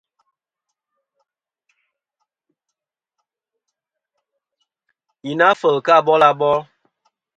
Yì na kfel kɨ abil abol.